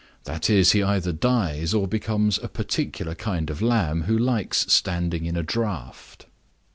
That is, he either dies or becomes a particular kind of lamb who likes standing in a draught.